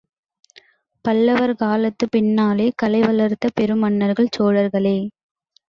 பல்லவர் காலத்துக்குப் பின்னாலே கலை வளர்த்த பெருமன்னர்கள் சோழர்களே.